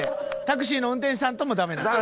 タクシーの運転手さんともダメなの？